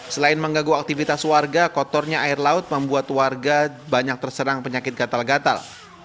selain menggaguh aktivitas warga kotornya air laut membuat warga banyak terserang penyakit gatal gatal